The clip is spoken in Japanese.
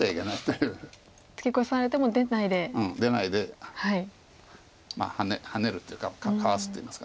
うん出ないでハネるというかかわすっていいますか。